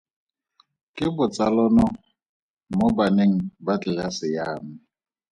Ke botsalano mo baneng ba tlelase ya me.